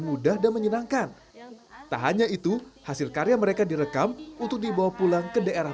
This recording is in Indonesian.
mudah dan menyenangkan tak hanya itu hasil karya mereka direkam untuk dibawa pulang ke daerah